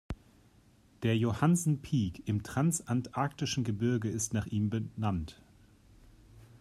Der Johansen Peak im Transantarktischen Gebirge ist nach ihm benannt.